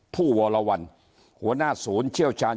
ผู้วรวรรณหัวหน้าศูนย์เชี่ยวชาญ